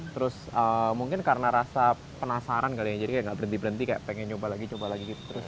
terus mungkin karena rasa penasaran kalinya jadi kayak nggak berhenti berhenti kayak pengen coba lagi coba lagi gitu terus